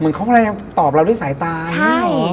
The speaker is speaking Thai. เหมือนเขาก็เลยตอบเราด้วยสายตาใช่